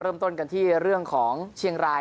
เริ่มต้นกันที่เรื่องของเชียงราย